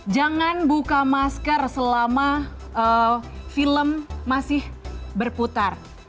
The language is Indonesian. jangan buka masker selama film masih berputar